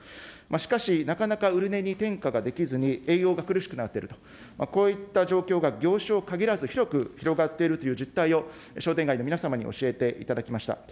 しかし、なかなか売値に転嫁ができずに、営業が苦しくなっていると、こういった状況が業種を限らず広く広がっているという実態を、商店街の皆様に教えていただきました。